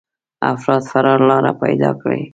افراد فرار لاره پيدا کړي.